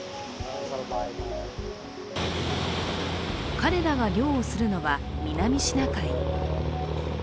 彼らが漁をするのは南シナ海。